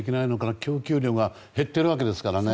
供給量が減っているわけですからね。